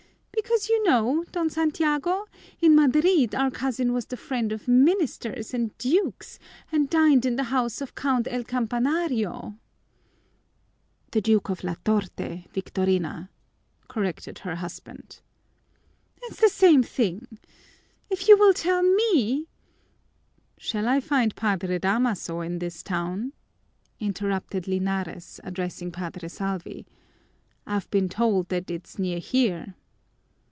Because, you know, Don Santiago, in Madrid our cousin was the friend of ministers and dukes and dined in the house of Count El Campanario." "The Duke of La Torte, Victorina," corrected her husband. "It's the same thing. If you will tell me " "Shall I find Padre Damaso in his town?" interrupted Linares, addressing Padre Salvi. "I've been told that it's near here."